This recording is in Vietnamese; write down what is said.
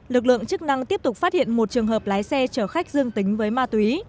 lực lượng chức năng tiếp tục phát hiện một trường hợp lái xe chở khách dương tính với ma túy